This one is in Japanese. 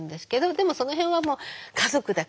でもその辺はもう「家族だから。